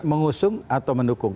mengusung atau mendukung